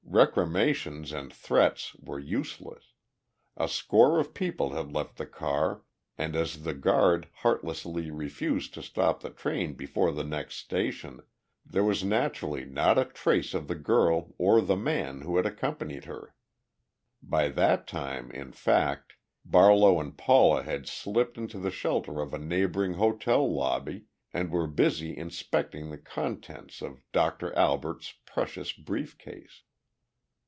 Recriminations and threats were useless. A score of people had left the car and, as the guard heartlessly refused to stop the train before the next station, there was naturally not a trace of the girl or the man who had accompanied her. By that time, in fact, Barlow and Paula had slipped into the shelter of a neighboring hotel lobby and were busy inspecting the contents of Doctor Albert's precious brief case.